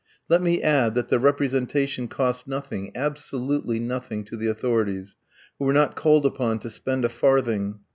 Let me add that the representation cost nothing, absolutely nothing, to the authorities, who were not called upon to spend a farthing.